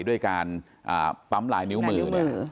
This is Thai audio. ด้วยการปั๊มหลายนิ้วมือ